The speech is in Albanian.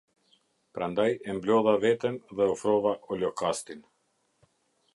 Prandaj e mblodha veten dhe ofrova olokastin".